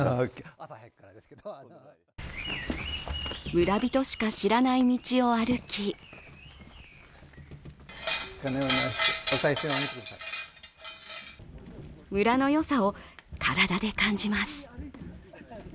村人しか知らない道を歩き村のよさを体で感じます。